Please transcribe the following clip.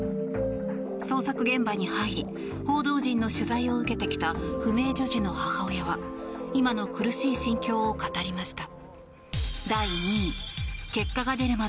捜索現場に入り報道陣の取材を受けてきた不明女児の母親は今の苦しい心境を語りました。